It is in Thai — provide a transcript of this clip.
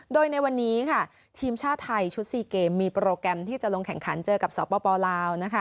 โดยในวันนี้ค่ะทีมชาติไทยชุด๔เกมมีโปรแกรมที่จะลงแข่งขันเจอกับสปลาว